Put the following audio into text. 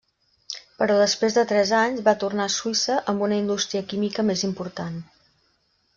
Però després de tres anys va tornar a Suïssa, amb una indústria química més important.